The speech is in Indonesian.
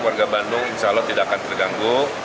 warga bandung insya allah tidak akan terganggu